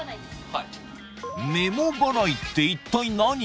はいメモ払いって一体何？